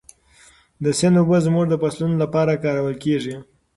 د سیند اوبه زموږ د فصلونو لپاره کارول کېږي.